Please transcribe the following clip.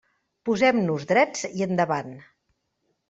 Posem-nos drets i endavant.